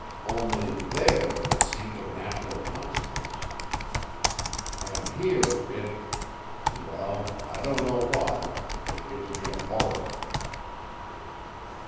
Only, there, it seemed a natural consequence. And here it well, I don't know why, but it gives me a horror."